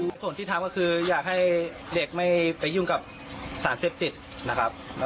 คือส่วนที่ทำก็คืออยากให้เด็กไม่ไปยุ่งกับสารเสพติดนะครับ